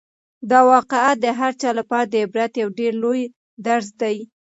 دا واقعه د هر چا لپاره د عبرت یو ډېر لوی درس دی.